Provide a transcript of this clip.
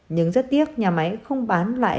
nhưng rất tiếc nhà máy không bán lại